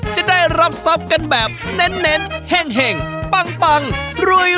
จะได้รับทรัพย์กันแบบเน้นแห่งปังรวย